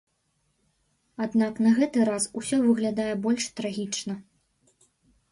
Аднак на гэты раз усё выглядае больш трагічна.